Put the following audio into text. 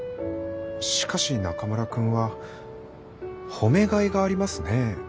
しかし中村くんは褒めがいがありますね。